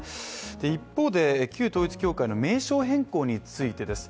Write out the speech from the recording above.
一方で旧統一教会の名称変更についてです。